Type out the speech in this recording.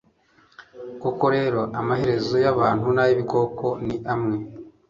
koko rero, amaherezo y'abantu n'ay'ibikoko ni amwe